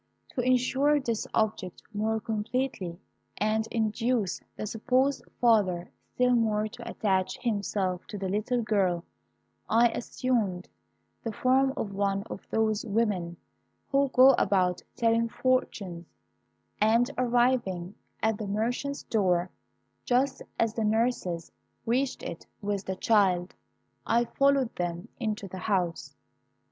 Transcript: To insure this object more completely, and induce the supposed father still more to attach himself to the little girl, I assumed the form of one of those women who go about telling fortunes, and arriving at the merchant's door just as the nurses reached it with the child, I followed them into the house.